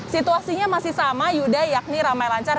situasinya masih sama yuda yakni ramai lancar